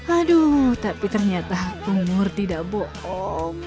aduh tapi ternyata umur tidak bohong